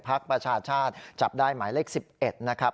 ประชาชาติจับได้หมายเลข๑๑นะครับ